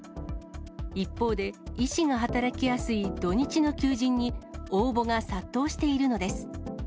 一方で、医師が働きやすい土日の求人に応募が殺到しているのです。